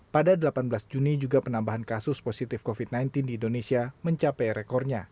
pada delapan belas juni juga penambahan kasus positif covid sembilan belas di indonesia mencapai rekornya